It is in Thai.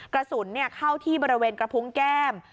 กระสุนเข้าที่บริเวณกระพุงแก้ม